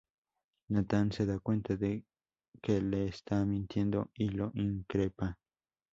Nathan se da cuenta de que le está mintiendo y lo increpa.